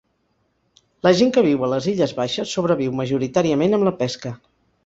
La gent que viu a les illes baixes sobreviu majoritàriament amb la pesca.